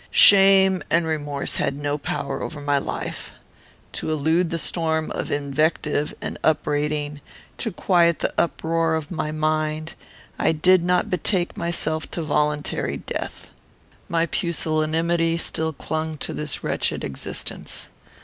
"Shame and remorse had no power over my life. To elude the storm of invective and upbraiding, to quiet the uproar of my mind, I did not betake myself to voluntary death. My pusillanimity still clung to this wretched existence.